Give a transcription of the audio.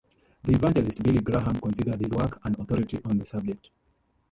The evangelist Billy Graham considered this work an authority on the subject.